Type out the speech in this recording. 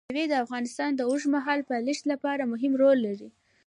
مېوې د افغانستان د اوږدمهاله پایښت لپاره مهم رول لري.